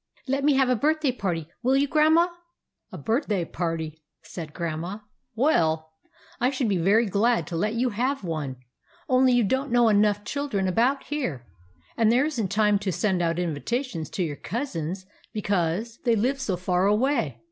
Let me have a birthday party, will you, Grandma ?"" A birthday party ?" said Grandma. "Well, I should be very glad to let you have one, only you don't know enough children about here ; and there is n't time to send out invitations to your cousins, because they live so far away.